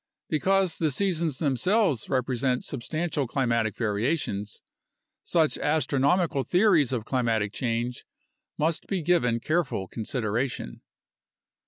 Because the seasons themselves represent substantial* climatic variations, such astronomical theories of climatic change must be given careful consideration.